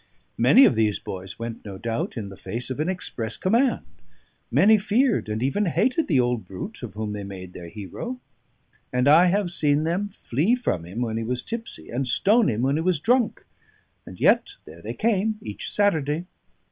Many of these boys went, no doubt, in the face of an express command; many feared, and even hated, the old brute of whom they made their hero; and I have seen them flee from him when he was tipsy, and stone him when he was drunk. And yet there they came each Saturday!